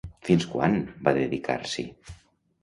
Fins quan va dedicar-s'hi?